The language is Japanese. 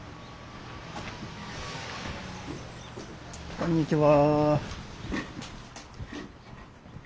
こんにちは。